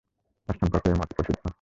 তাঁর সম্পর্কে এ মতই প্রসিদ্ধ।